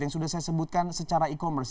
yang sudah saya sebutkan secara e commerce